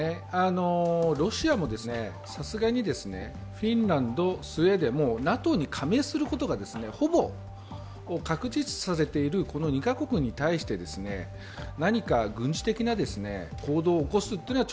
ロシアもさすがにフィンランド、スウェーデンＮＡＴＯに加盟することがほぼ確実視されているこの２カ国に対して、何か軍事的な行動を起こすというのは